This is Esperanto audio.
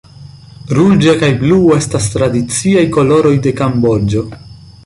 Ruĝa kaj blua estas tradiciaj koloroj de Kamboĝo.